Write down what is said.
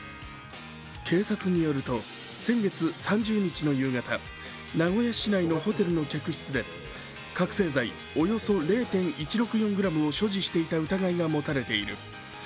警察によると、先月３０日の夕方、名古屋市内のホテルの客室で覚醒剤およそ０．１６４ｇを所持していた疑いが持たれています。